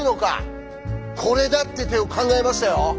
「これだ！」って手を考えましたよ。